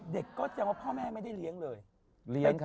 เด็กก็แสดงว่าพ่อแม่ไม่ได้เลี้ยงเลย